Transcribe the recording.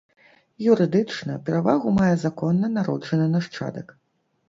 Юрыдычна перавагу мае законна народжаны нашчадак.